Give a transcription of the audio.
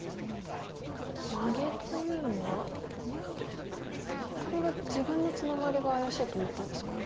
マゲというのはこれは自分のツナガリが怪しいと思ったんですか。